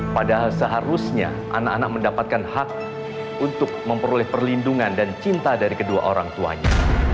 padahal seharusnya anak anak mendapatkan hak untuk memperoleh perlindungan dan cinta dari kedua orang tuanya